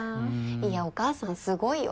いやお母さん凄いよ。